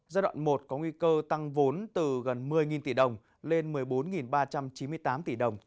giai đoạn một có nguy cơ tăng vốn từ gần một mươi tỷ đồng lên một mươi bốn ba trăm chín mươi tám tỷ đồng